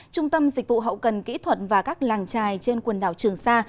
trung tâm dịch vụ hậu cần kỹ thuật và các làng trài trên quần đảo trường sa